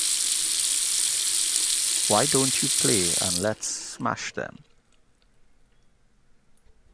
Why don't you play and let's smash them?